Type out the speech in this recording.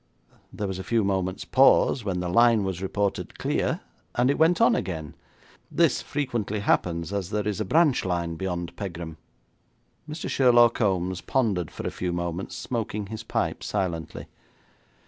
There was a few moments' pause, when the line was reported clear, and it went on again. This frequently happens, as there is a branch line beyond Pegram.' Mr. Sherlaw Kombs pondered for a few moments, smoking his pipe silently.